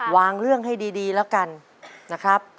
เรื่องให้ดีแล้วกันนะครับ